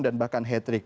dan bahkan hat trick